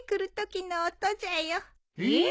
えっ？